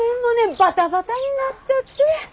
バタバタになっちゃって。